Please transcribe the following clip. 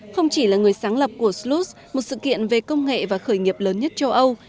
không chỉ là người sáng lập của slus một sự kiện về công nghệ và khởi nghiệp lớn nhất châu âu